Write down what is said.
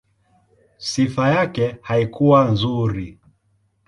Sifa yake haikuwa nzuri.